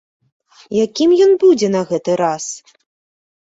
Якім ён будзе на гэты раз?